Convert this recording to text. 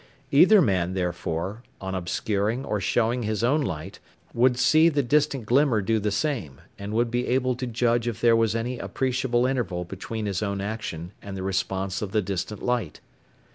Either man, therefore, on obscuring or showing his own light would see the distant glimmer do the same, and would be able to judge if there was any appreciable interval between his own action and the response of the distant light.